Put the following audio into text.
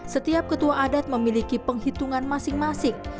setiap ketua adat memiliki penghitungan masing masing